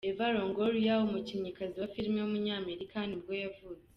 Eva Longoria, umukinnyikazi wa filime w’umunyamerika nibwo yavutse.